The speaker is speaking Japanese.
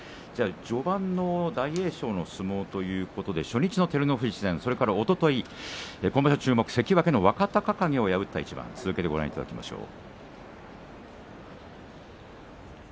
序盤の大栄翔の相撲ということで初日の照ノ富士戦、そしておととい、今場所注目の関脇若隆景を破った一番をご覧いただきましょう。